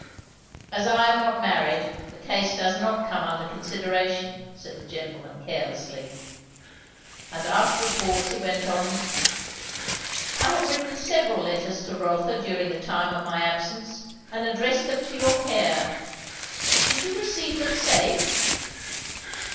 "As I am not married, the case does not come under consideration," said the gentleman carelessly. And after a pause he went on "I have written several letters to Rotha during the time of my absence, and addressed them to your care. Did you receive them safe?"